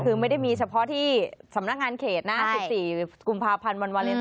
คือไม่ได้มีเฉพาะที่สำนักงานเขตนะ๑๔กุมภาพันธ์วันวาเลน